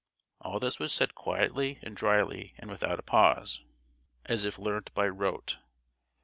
All this was said quietly and drily, and without a pause, as if learnt by rote.